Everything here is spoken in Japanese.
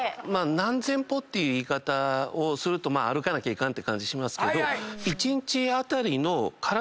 何千歩っていう言い方をすると歩かなきゃいかんって感じしますけど。